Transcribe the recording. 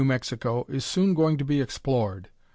M., is soon going to be explored.